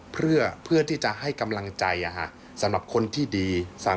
เพื่อที่จะให้กำลังใจสำหรับคนที่ดี